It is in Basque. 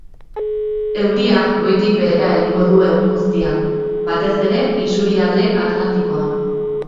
Euria goitik behera egingo du egun guztian, batez ere isurialde atlantikoan.